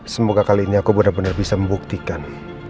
semoga kali ini aku benar benar bisa membuktikan